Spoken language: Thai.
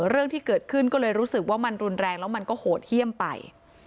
เรื่องที่เกิดขึ้นก็เลยรู้สึกว่ามันรุนแรงแล้วมันก็โหดเยี่ยมไป